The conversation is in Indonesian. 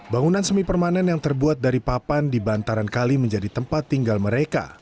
bangunan semi permanen yang terbuat dari papan di bantaran kali menjadi tempat tinggal mereka